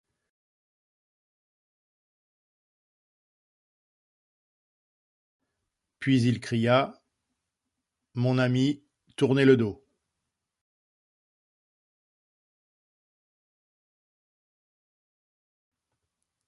Puis il cria :— Mon ami, tournez le dos.